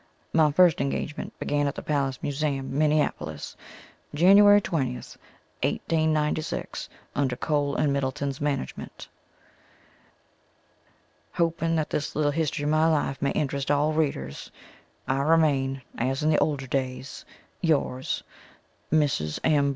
My first engagement began at the Palace Museum, Minneapolis, January 20th, 1896, under Kohl and Middleton's management. Hoping that this little history of my life may interest all readers, I remain as in the older days, Yours, Mrs. M.